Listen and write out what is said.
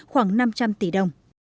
khoảng năm trăm linh tỷ đồng